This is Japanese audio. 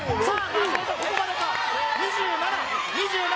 松本ここまでか２７２７